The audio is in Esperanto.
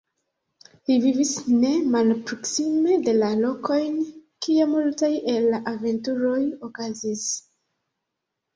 Li vivis ne malproksime de la lokojn, kie multaj el la aventuroj okazis.